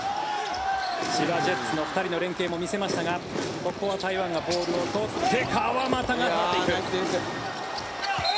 千葉ジェッツの２人の連係も見せましたがここは台湾がボールを取って川真田が取っていく。